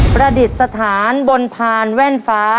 ประดิษฐานบนพานแว่นฟ้า